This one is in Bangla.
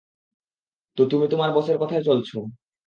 তো তুমি তোমার বসের কথায় চলছো।